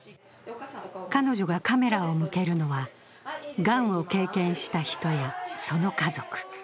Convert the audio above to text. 彼女がカメラを向けるのは、がんを経験した人やその家族。